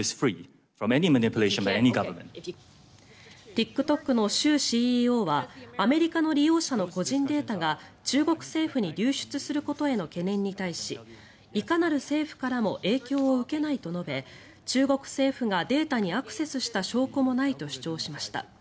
ＴｉｋＴｏｋのシュウＣＥＯはアメリカの利用者の個人データが中国政府に流出することへの懸念に対しいかなる政府からも影響を受けないと述べ中国政府がデータにアクセスした証拠もないと主張しました。